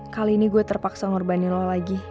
kali ini gue terpaksa ngurbanin lo lagi